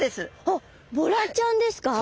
あっボラちゃんですか？